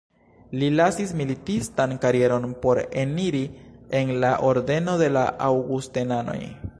Li lasis militistan karieron por eniri en la ordeno de la Aŭgustenanoj.